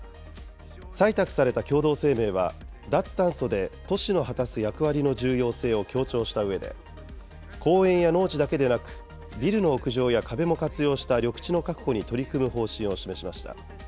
採択された共同声明は、脱炭素で都市の果たす役割の重要性を強調したうえで、公園や農地だけでなくビルの屋上や壁も活用した緑地の確保に取り組む方針を示しました。